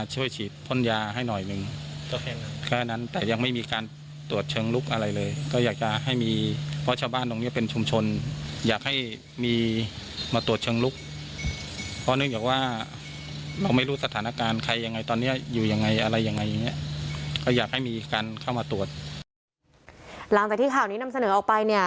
หลังจากที่ข่าวนี้นำเสนอออกไปเนี่ย